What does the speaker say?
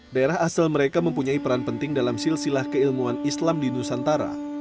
daerah asal mereka mempunyai peran penting dalam silsilah keilmuan islam di nusantara